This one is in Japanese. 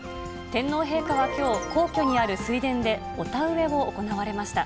天皇陛下はきょう、皇居にある水田でお田植えを行われました。